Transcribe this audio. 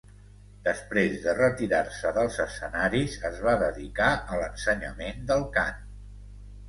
Després de retirar-se dels escenaris es va dedicar a l'ensenyament del cant.